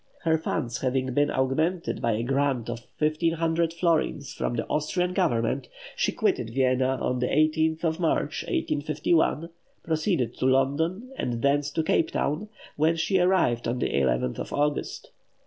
Her funds having been augmented by a grant of 1,500 florins from the Austrian Government, she quitted Vienna on the 18th of March, 1851, proceeded to London, and thence to Cape Town, where she arrived on the 11th of August.